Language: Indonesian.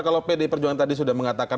kalau pdi perjuangan tadi sudah mengatakan